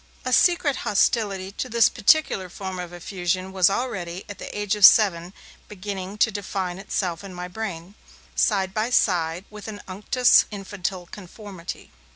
A secret hostility to this particular form of effusion was already, at the age of seven, beginning to define itself in my brain, side by side with an unctuous infantile conformity.